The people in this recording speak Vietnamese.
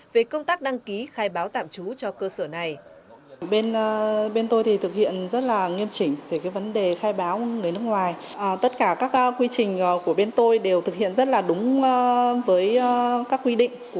về công tác đăng ký khai báo tạm trú cho cơ sở này